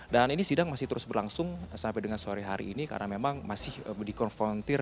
dan ini sidang masih terus berlangsung sampai dengan sore hari ini karena memang masih dikonfrontir